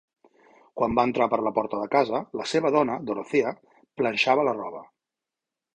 Quan va entrar per la porta de casa, la seva dona, Dorothea, planxava la roba.